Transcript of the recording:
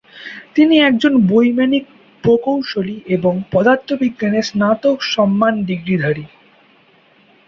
তিনি একজন বৈমানিক প্রকৌশলী এবং পদার্থবিজ্ঞানে স্নাতক সম্মান ডিগ্রিধারী।